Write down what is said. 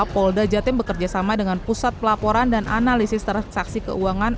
polda jatim bekerjasama dengan pusat pelaporan dan analisis transaksi keuangan